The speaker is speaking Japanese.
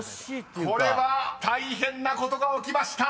［これは大変なことが起きました］